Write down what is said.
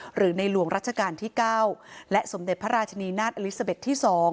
หรือในหลวงรัชกาลที่๙และสมเด็จพระราชนีนาฏอลิซาเบ็ดที่๒